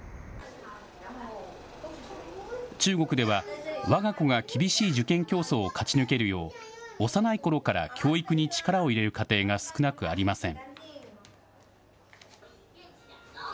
中国では、わが子が厳しい受験競争を勝ち抜けるよう、幼いころから教育に力を入れる家庭が少なくありません。